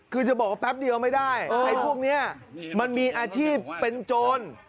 คือจะบอกว่าแป๊บเดียวไม่ได้ไอ้พวกนี้มันมีอาชีพเป็นโจร